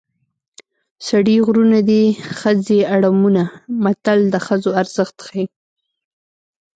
سړي غرونه دي ښځې اړمونه متل د ښځو ارزښت ښيي